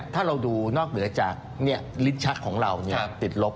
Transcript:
ถ้าเราดูนอกเหนือจากลิ้นชักของเราติดลบ